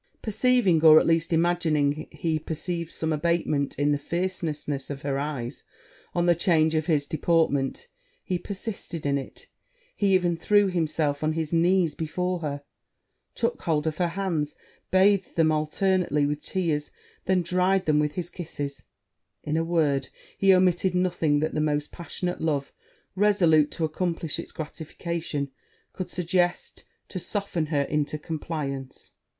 Perceiving, or at least imagining he perceived, some abatement in the fierceness of her eyes, on the change of his deportment, he persisted in it he even threw himself on his knees before her; took hold of her hands, bathed them alternately with tears, then dried them with his kisses: in a word, he omitted nothing that the most passionate love, resolute to accomplish it's gratification, could suggest to soften her into compliance.